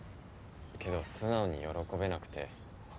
けど素直に喜べなくて。